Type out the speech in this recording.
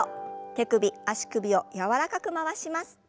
手首足首を柔らかく回します。